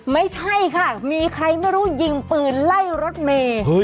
ไม่ใช่ค่ะมีใครไม่รู้ยิงปืนไล่รถเมย์